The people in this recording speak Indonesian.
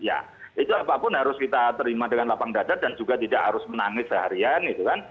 ya itu apapun harus kita terima dengan lapang dada dan juga tidak harus menangis seharian gitu kan